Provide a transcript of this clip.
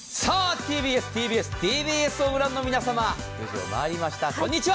ＴＢＳ、ＴＢＳ、ＴＢＳを御覧の皆様、４時を回りました、こんにちは。